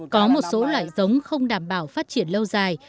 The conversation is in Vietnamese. có một số loại giống không đảm bảo phát triển lâu dài